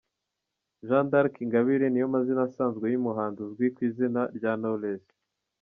Jeanne d’Arc Ingabire niyo mazina asanzwe y’umuhanzi uzwi ku izina rya Knowless.